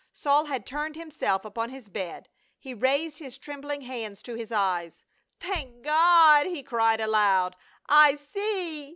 Saul had turned himself upon his bed, he raised his trembling hands to his eyes. " Thank God," he cried aloud, "I see."